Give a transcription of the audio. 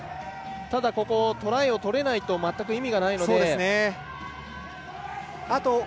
ただ、トライを取れないと全く意味がないので。